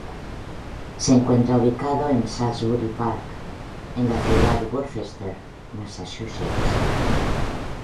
Se encuentra ubicado en Salisbury Park, en la ciudad de Worcester, Massachusetts.